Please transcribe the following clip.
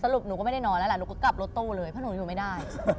รุปหนูก็ไม่ได้นอนแล้วแหละหนูก็กลับรถตู้เลยเพราะหนูอยู่ไม่ได้